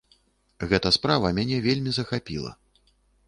Гэта справа мяне вельмі захапіла.